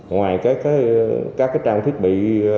ngoài các trang thiết bị